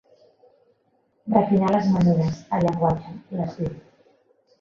Refinar les maneres, el llenguatge, l'estil.